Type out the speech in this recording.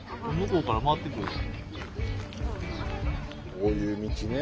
こういう道ね。